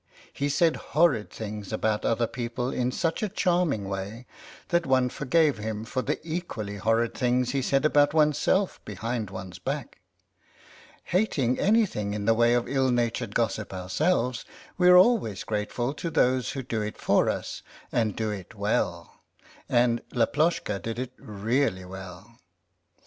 He said horrid things about other people in such a charming way that one forgave him for the equally horrid things he said about oneself behind one's back. Hating anything in the way of ill natured gossip ourselves, we are always grateful to those who do it for us and do it well. And Laploshka did it really well.